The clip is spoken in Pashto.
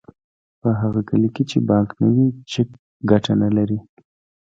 په هغه کلي کې چې بانک نه وي چک ګټه نلري